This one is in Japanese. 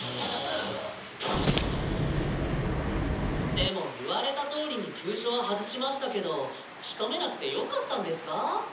でも言われたとおりに急所は外しましたけどしとめなくてよかったんですか？